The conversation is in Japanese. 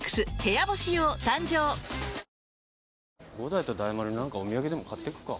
伍代と大丸に何かお土産でも買ってくか。